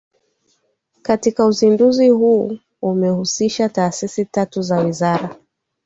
Katika uzinduzi huo umehusisha taasisi tatu za Wizara